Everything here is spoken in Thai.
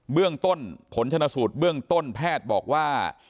เรื่องต้นผลชนสูตรเบื้องต้นแพทย์บอกว่า